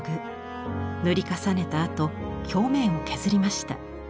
塗り重ねたあと表面を削りました。